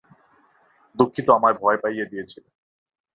দুঃখিত, আমায় ভয় পাইয়ে দিয়েছিলেন।